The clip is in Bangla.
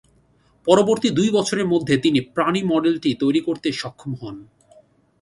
পরবর্তী দুই বছরের মধ্যে তিনি "প্রাণী মডেলটি" তৈরি করতে সক্ষম হন।